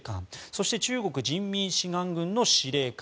そして中国人民志願軍の司令官。